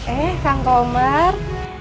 eh kang komar